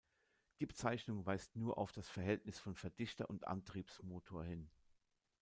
Die Bezeichnung weist nur auf das Verhältnis von Verdichter und Antriebsmotor hin.